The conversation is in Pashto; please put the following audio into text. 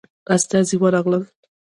استازي ورغلل.